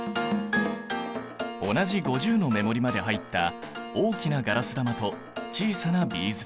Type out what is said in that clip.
同じ５０の目盛りまで入った大きなガラス玉と小さなビーズ玉。